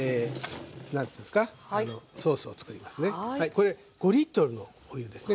これ５のお湯ですね。